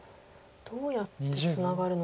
どうやってツナがるのがいいか。